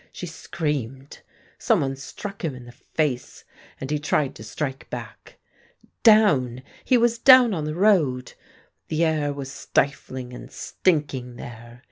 She screamed. Someone struck him in the face, and he tried to strike back. Down ! He was down on the road. The air was stifling and stinking there.